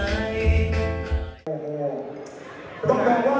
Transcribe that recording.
ยังคิดละ